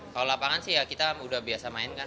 kalau lapangan sih ya kita udah biasa main kan